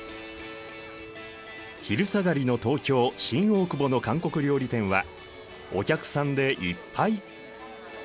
昼下がりの東京・新大久保の韓国料理店はお客さんでいっぱい！